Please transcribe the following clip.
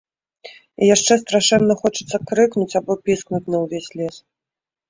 І яшчэ страшэнна хочацца крыкнуць або піскнуць на ўвесь лес.